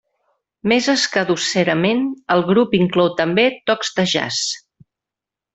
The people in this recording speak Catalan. Més escadusserament, el grup inclou també tocs de jazz.